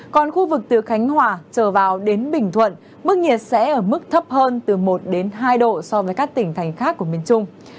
còn khu vực từ khánh hòa trở vào đến bình thuận mức nhiệt sẽ ở mức thấp hơn từ một hai độ so với các tỉnh thành khác của miền trung